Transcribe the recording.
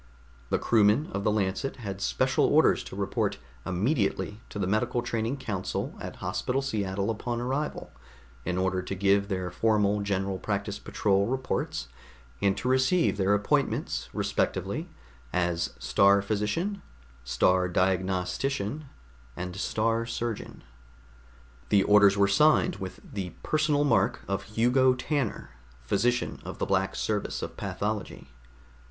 The crewmen of the Lancet had special orders to report immediately to the medical training council at Hospital Seattle upon arrival, in order to give their formal General Practice Patrol reports and to receive their appointments respectively as Star Physician, Star Diagnostician and Star Surgeon. The orders were signed with the personal mark of Hugo Tanner, Physician of the Black Service of Pathology.